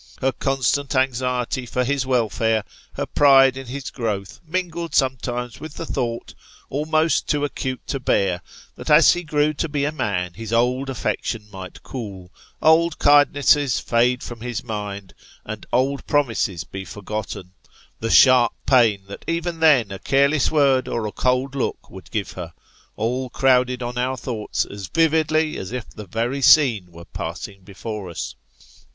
Her constant anxiety for his welfare, her pride in his growth mingled sometimes with the thought, almost too acute to bear, that as he grew to be a man his old affection might cool, old kindnesses fade from his mind, and old promises be forgotten the sharp pain that even then a careless word or a cold look would give her all crowded on our thoughts as vividly as if the very scene were passing before us.